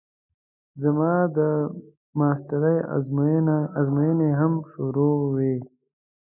زما د ماسټرۍ ازموينې هم شروع وې.